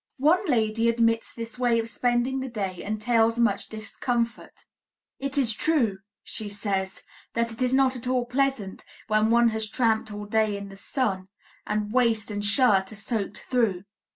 One lady admits this way of spending the day entails much discomfort. "It is true," she says, "that it is not at all pleasant, when one has tramped all day in the sun, and waist and shirt are soaked through."